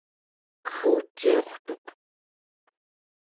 kegguciurtuq